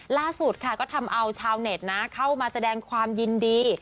ล่าสุดค่ะก็ทำเอาชาวเน็ตนะเข้ามาแสดงความยินดี